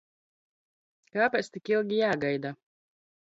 K?p?c tik ilgi j?gaida?